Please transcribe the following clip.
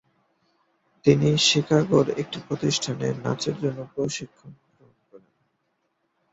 তিনি শিকাগোর একটি প্রতিষ্ঠানে নাচের জন্য প্রশিক্ষণ গ্রহণ করেন।